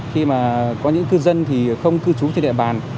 khi mà có những cư dân thì không cư trú trên địa bàn